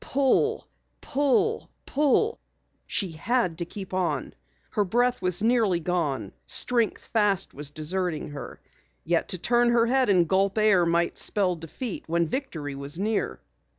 Pull, pull, pull she had to keep on. Her breath was nearly gone, strength fast was deserting her. Yet to turn her head and gulp air might spell defeat when victory was near.